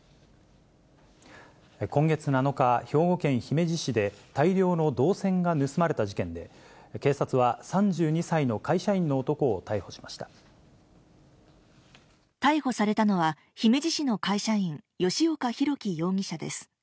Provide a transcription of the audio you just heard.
今月７日、兵庫県姫路市で、大量の銅線が盗まれた事件で、警察は３２歳の会社員の男を逮捕逮捕されたのは、姫路市の会社員、吉岡宏基容疑者です。